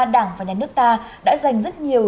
đảng và nhà nước ta đã dành rất nhiều